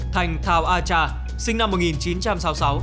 thành thảo a tra sinh năm một nghìn chín trăm sáu mươi sáu